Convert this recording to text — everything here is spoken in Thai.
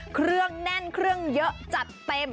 เครื่องแน่นเครื่องเยอะจัดเต็ม